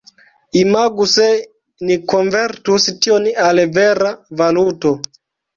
Imagu se ni konvertus tion al vera valuto.